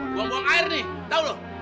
buang buang air nih tau lo